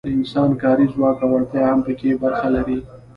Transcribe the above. د انسان کاري ځواک او وړتیا هم پکې برخه لري.